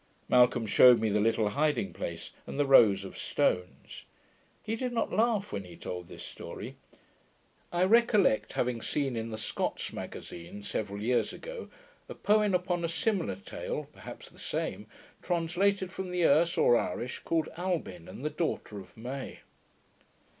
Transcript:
Malcolm shewed me the little hiding place, and the rows of stones. He did not laugh when he told this story. I recollect having seen in the Scots Magazine, several years ago, a poem upon a similar tale, perhaps the same, translated from the Erse, or Irish, called Albin and the Daughter of Mey.